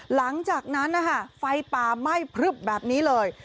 หลังจากนั้นนะคะไฟป่าไหม้พลึบแบบนี้เลย